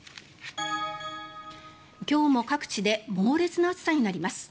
今日も各地で猛烈な暑さになります。